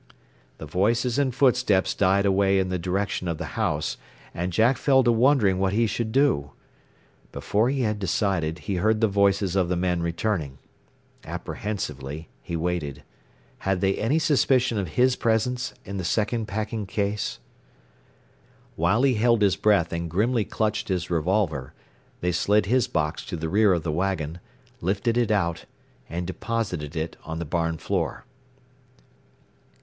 The voices and footsteps died away in the direction of the house, and Jack fell to wondering what he should do. Before he had decided he heard the voices of the men returning. Apprehensively he waited. Had they any suspicion of his presence in the second packing case? While he held his breath and grimly clutched his revolver, they slid his box to the rear of the wagon, lifted it out, and deposited it on the barn floor.